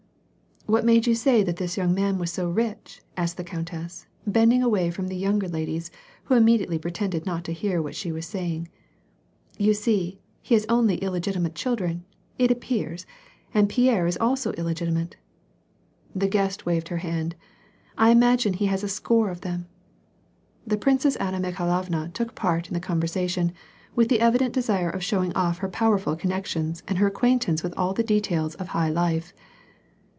" What made you say that this young man was so rich," asked the countess, bending away from the younger ladies, who immediately pretended not to hear what she was saying. " You see, he has only illegitimate children. It appears — and Pierre is also illegitimate." " The guest waved her hand :" I imagine he has a score of them." The Princess Anna Mikhailovna took part in the conversa tion, with the evident desire of showing off her powerful con nections and her acquaintance with all the details of high life.